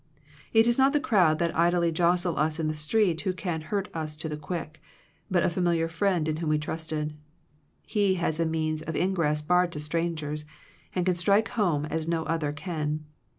It is not the crowd that idly jostle us in the street who can hurt us to the quick, but a familiar friend in whom we trusted. He has a means of ingress barred to strangers, and can strike home as no other can.